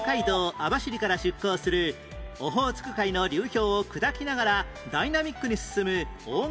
網走から出港するオホーツク海の流氷を砕きながらダイナミックに進む大型観光船